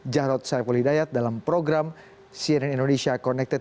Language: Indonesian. jarrad saipul hidayat dalam program cnn indonesia connected